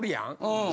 うん。